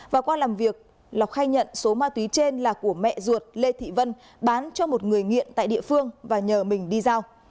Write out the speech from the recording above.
và qua làm việc lộc khai nhận số ma túy trên là của mẹ ruột lê thị vân bán cho một người nghiện tại địa phương và nhờ mình đi giao